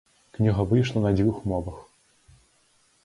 Кніга выйшла на дзвюх мовах.